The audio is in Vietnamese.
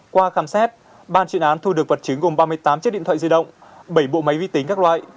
qua khám xét ban chuyên án thu được vật chứng gồm ba mươi tám chiếc điện thoại di động bảy bộ máy vi tính các loại